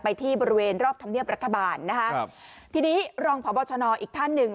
ที่บริเวณรอบธรรมเนียบรัฐบาลนะคะครับทีนี้รองพบชนอีกท่านหนึ่ง